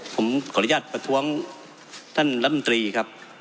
ผมขออนุญาตประท้วงท่านรัฐมนตรีครับ